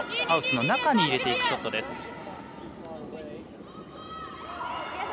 ハウスの中に入れていくショットです。